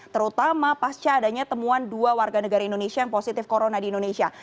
terutama pasca adanya temuan dua warga negara indonesia yang positif corona di indonesia